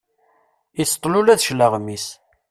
Iseṭṭel ula d cclaɣem-is.